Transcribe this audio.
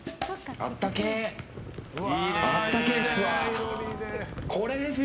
あったけえですわ。